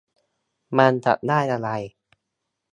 มันจะได้อะไร